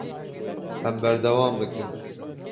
Em berdewam bikin.